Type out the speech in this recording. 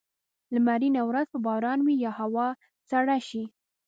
لمرینه ورځ به باران وي یا هوا سړه شي.